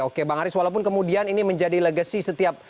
oke bang arief walaupun kemudian ini menjadi legasi setiap rezim